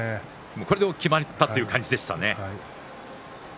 これできまったという感じでしたね。